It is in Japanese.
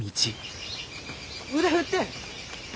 腕振って！